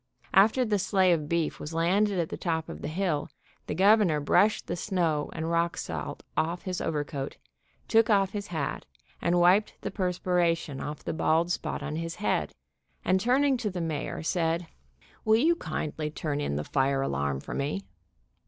After the sleigh of beef was landed at the top of the hill the Governor brushed the snow and rock salt off his overcoat, took off his hat and wiped the perspiration off the bald spot on his head, and, turning to the mayor, said : "Will you kindly turn in the fire alarm for me?"